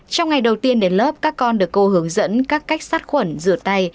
trong ngày đầu tiên đến lớp các con được cô hướng dẫn các cách xác quẩn rửa tay